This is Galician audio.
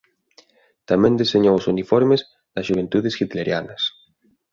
Tamén deseñou os uniformes das Xuventudes Hitlerianas.